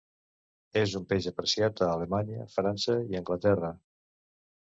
És un peix apreciat a Alemanya, França i Anglaterra.